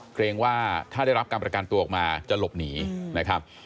เกรงว่าถ้าได้รับการประกันตัวออกมาจะหลบหนีนะครับ